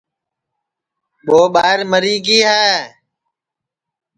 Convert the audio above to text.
ٻو ٻائیر مری گی ہے